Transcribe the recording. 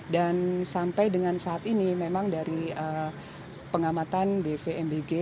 dan sampai dengan saat ini memang dari pengamatan bvmbg